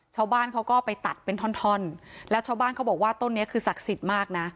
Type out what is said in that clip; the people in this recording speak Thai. ชาวบ้านเขาก็ไปตัดเป็นท่อนท่อนแล้วชาวบ้านเขาบอกว่าต้นนี้คือศักดิ์สิทธิ์มากนะ